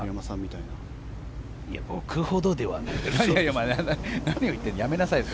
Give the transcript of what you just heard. いや僕ほどではないです。